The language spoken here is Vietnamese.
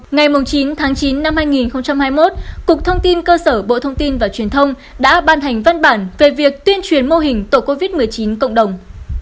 ngày chín tháng chín năm hai nghìn hai mươi một cục thông tin cơ sở bộ thông tin và truyền thông đã ban hành văn bản về việc tuyên truyền mô hình tổ covid một mươi chín cộng đồng